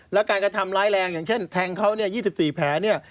แล้วการกระทำร้ายแรงอย่างเช่นแทงเขา๒๔แผล